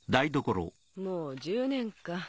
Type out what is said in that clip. もう１０年か。